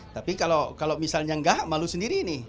tapi kalau misalnya enggak malu sendiri ini